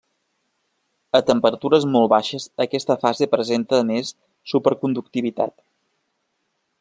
A temperatures molt baixes aquesta fase presenta a més superconductivitat.